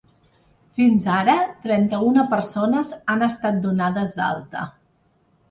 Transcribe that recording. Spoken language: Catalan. Fins ara trenta-una persones han estat donades d’alta.